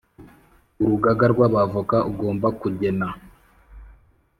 Urugaga rw Abavoka ugomba kugena